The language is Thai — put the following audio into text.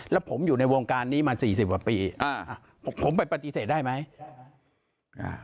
แล้วผมอยู่ในวงการนี้มาสี่สิบกว่าปีอ่าผมไปปฏิเสธได้ไหมอ่า